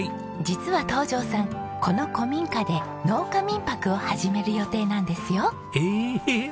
実は東條さんこの古民家で農家民泊を始める予定なんですよ。え！